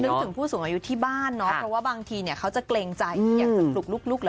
แสดงผู้สูงอายุที่บ้านเนอะเพราะว่าบางทีเนี่ยเขาจะเกรงใจอย่างลุก